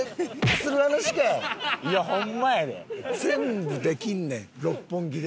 全部できんねん六本木で。